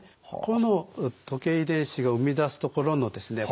この時計遺伝子が生み出すところのですね